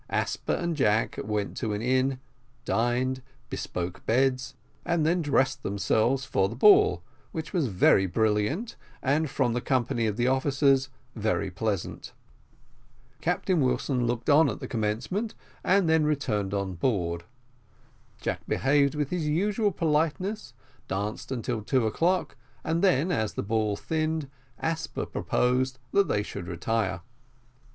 Asper and Jack went to an inn, dined, bespoke beds, and then dressed themselves for the ball, which was very brilliant, and, from the company of the officers, very pleasant. Captain Wilson looked on at the commencement, and then returned on board. Jack behaved with his usual politeness, danced till two o'clock, and then, as the ball thinned, Asper proposed that they should retire.